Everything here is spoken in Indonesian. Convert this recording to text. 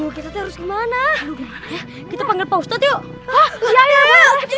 kita panggil pak ustadz yuk